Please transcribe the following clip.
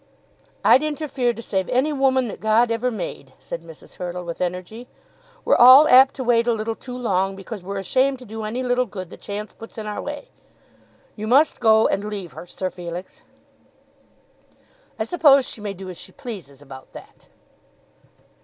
"I'd interfere to save any woman that God ever made," said Mrs. Hurtle with energy. "We're all apt to wait a little too long, because we're ashamed to do any little good that chance puts in our way. You must go and leave her, Sir Felix." "I suppose she may do as she pleases about that."